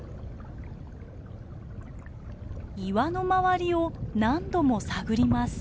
岩の周りを何度も探ります。